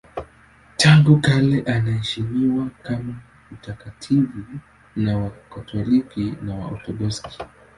Tangu kale anaheshimiwa kama mtakatifu na Wakatoliki na Waorthodoksi.